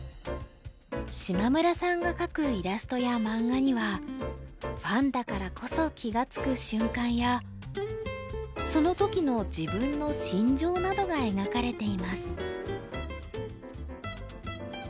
島村さんが描くイラストや漫画にはファンだからこそ気が付く瞬間やその時の自分の心情などが描かれています。